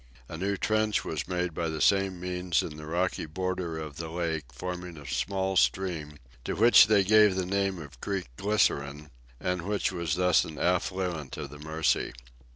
A new trench was made by the same means in the rocky border of the lake, forming a small stream, to which they gave the name of Creek Glycerine, and which was thus an affluent of the Mercy.